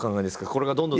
これからどんどん。